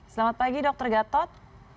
selamat pagi dr gatot